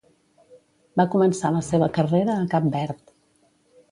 Va començar la seva carrera a Cap Verd.